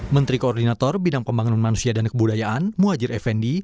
menteri koordinator bidang pembangunan manusia dan kebudayaan muhajir effendi